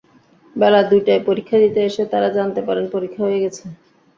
বেলা দুইটায় পরীক্ষা দিতে এসে তাঁরা জানতে পারেন পরীক্ষা হয়ে গেছে।